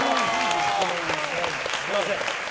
すみません。